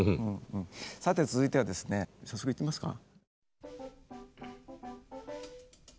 さて続いてはですね早速いきますか。